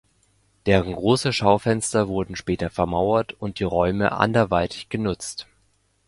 Deren große Schaufenster wurden später vermauert und die Räume anderweitig genutzt.